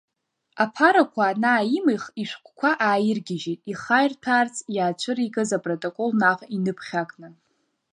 Аԥарақәа анааимих, ишәҟәқәа ааиргьежьит, ихаирҭәаарц иаацәыригаз апротокол наҟ иныԥхьакны.